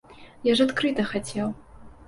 Я ж адкрыта хацеў.